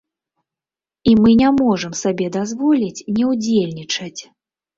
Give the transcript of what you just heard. І мы не можам сабе дазволіць не ўдзельнічаць.